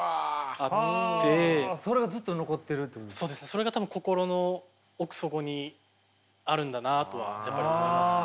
それが多分心の奥底にあるんだなとはやっぱり思いますね。